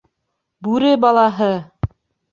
— Бүре балаһы!